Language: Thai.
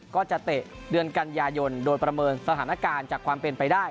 เตะเดือนกันยายนโดยประเมินสถานการณ์จากความเป็นไปได้